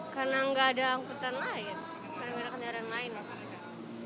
karena nggak ada angkutan lain